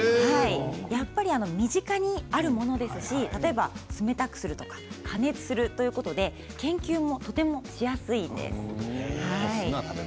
やっぱり身近にあるものですし例えば冷たくするとか加熱するということで研究も、とてもしやすいです。